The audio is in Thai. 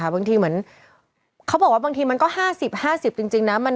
บางทีเหมือนเขาบอกว่าบางทีมันก็๕๐๕๐จริงนะ